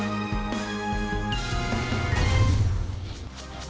ngoại truyền thông tin